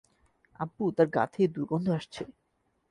আব্বু, তার গা থেকে দুর্গন্ধ আসছে।